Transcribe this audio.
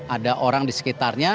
ada orang di sekitarnya